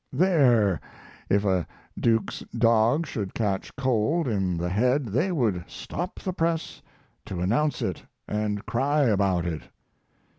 There, if a Duke's dog should catch cold in the head they would stop the press to announce it and cry about it.